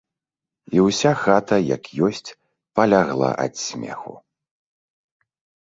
І ўся хата, як ёсць, палягала ад смеху.